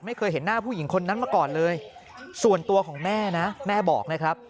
ไม่เคยเห็นหน้าผู้หญิงคนนั้นมาก่อนเลยส่วนตัวของแม่นะแม่บอกนะครับ